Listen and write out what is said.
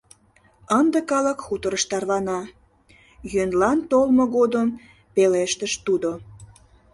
— Ынде калык хуторыш тарвана, — йӧнлан толмо годым пелештыш тудо.